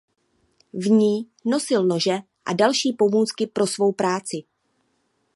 V ní nosil nože a další pomůcky pro svou práci.